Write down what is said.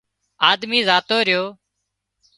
آۮمي زاتو ريو